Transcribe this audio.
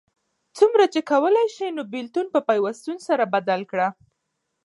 څومره چی کولای سې نو بیلتون په پیوستون سره بدل کړه